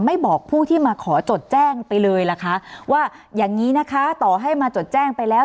บอกผู้ที่มาขอจดแจ้งไปเลยล่ะคะว่าอย่างนี้นะคะต่อให้มาจดแจ้งไปแล้ว